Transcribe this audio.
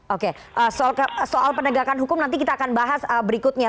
oke soal penegakan hukum nanti kita akan bahas berikutnya